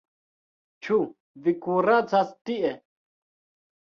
Ĉu vi kuracas tie?